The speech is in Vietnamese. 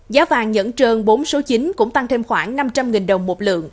giá vàng nhẫn trơn bốn số chín cũng tăng thêm khoảng năm trăm linh đồng một lượng